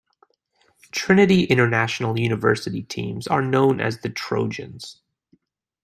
Trinity International University teams are known as the Trojans.